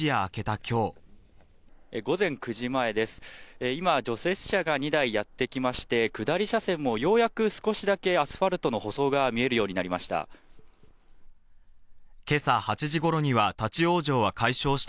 今、除雪車が２台やってきまして、下り車線もようやく少しだけアスファルトの舗装が見えるようになりました。